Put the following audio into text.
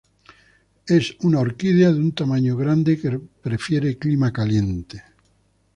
Es una orquídea de un tamaño grande, que prefiere clima caliente.